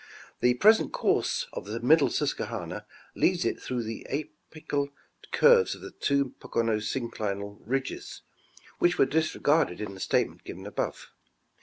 The present course of the middle Susquehanna leads it through the apical curves of two Pocono synclinal ridges, which were disregarded in the statement given above.